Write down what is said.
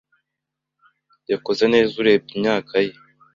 yakoze neza urebye imyaka ye.